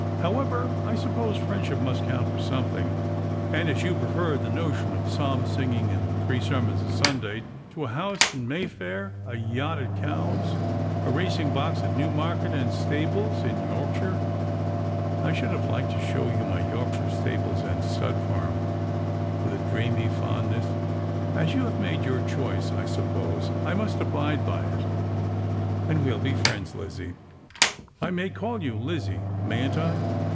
However, I suppose friendship must count for something ; and as you prefer the notion of psalm singing and three sermons a Sunday to a house in ]\Iayfair, a yacht at Cowe«, a racing box at Newmarket, and stables in Yorkshire — I should have liked to show you my Yorkshire stables and stud farm," with a dreamy fondness —" as you have made your choice, I suppose I must abide by it. And we'll be friends, Lizzie. I may call you Lizzie, mayn't I